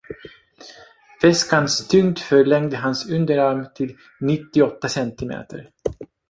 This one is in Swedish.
Väskans tyngd förlängde hans underarm till nittioåtta centimeter